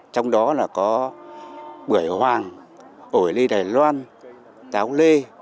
trong đó là có bưởi hoàng ở lê đài loan táo lê